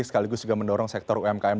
sekaligus juga mendorong sektor umkm